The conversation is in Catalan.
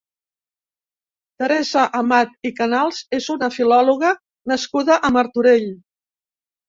Teresa Amat i Canals és una filòloga nascuda a Martorell.